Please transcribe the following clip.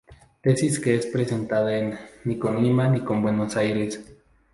Tesis que es presentada en "Ni con Lima ni con Buenos Aires".